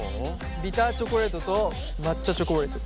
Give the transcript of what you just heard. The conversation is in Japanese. ビターチョコレートと抹茶チョコレート。